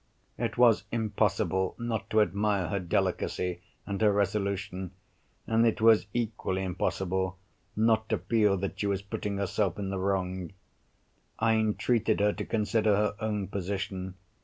It was impossible not to admire her delicacy and her resolution, and it was equally impossible not to feel that she was putting herself in the wrong. I entreated her to consider her own position.